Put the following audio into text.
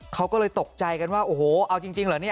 เขาก็เลยตกใจกันว่าโอ้โหเอาจริงหรือ